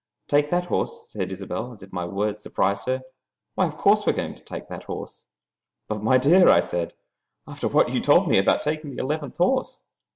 "Take that horse?" said Isobel, as if my words surprised her. "Why, of course we are going to take that horse!" "But, my dear," I said, "after what you told me about taking the eleventh horse?"